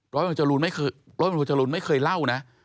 ร้อยหมวดจรูลไม่เคยเล่านะ